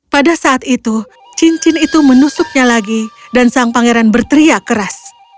pada saat itu cincin itu menusuknya lagi dan sang pangeran berteriak keras